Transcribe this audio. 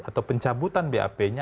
atau pencabutan bap nya